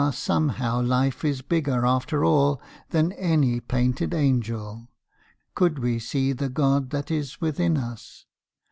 somehow life is bigger after all Than any painted angel, could we see The God that is within us!